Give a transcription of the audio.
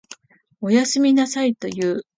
おやすみなさいと言う。